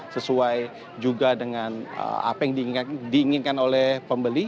sesuai juga dengan apa yang diinginkan oleh pembeli